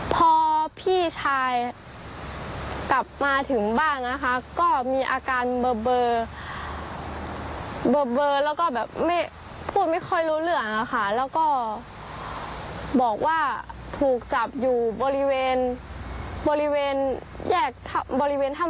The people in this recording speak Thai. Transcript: พอพี่ชายกลับมาถึงบ้านนะคะก็มีอาการเบอร์แล้วก็พูดไม่ค่อยล้วนค่ะ